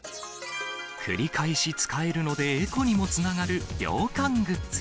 繰り返し使えるのでエコにもつながる涼感グッズ。